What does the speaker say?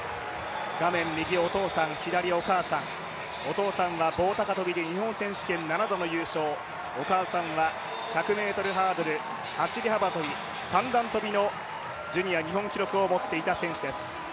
お父さんは棒高跳で世界選手権７度の優勝、お母さんは１００ｍハードル、走幅跳、三段跳のジュニア日本記録を持っていた選手です。